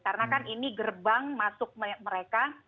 karena ini gerbang masuk mereka